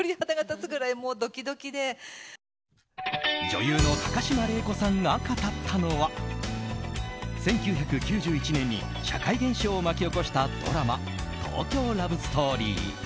女優の高島礼子さんが語ったのは１９９１年に社会現象を巻き起こしたドラマ「東京ラブストーリー」。